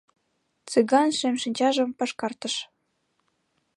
— Цыган шем шинчажым пашкартыш.